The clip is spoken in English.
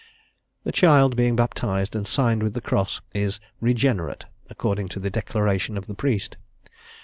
The child being baptized and signed with the Cross, "is regenerate," according to the declaration of the priest.